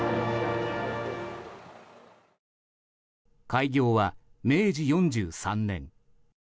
開業は明治４３年。